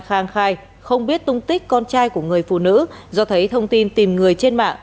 khang khai không biết tung tích con trai của người phụ nữ do thấy thông tin tìm người trên mạng